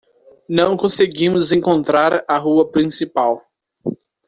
Não conseguimos encontrar a rua principal.